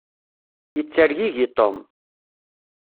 Yettergigi Tom.